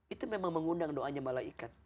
itu memang mengundang doanya malaikat